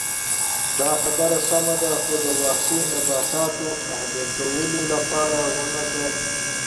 دا خبره سمه ده خو د وحشي نباتاتو اهلي کولو لپاره ونه کړل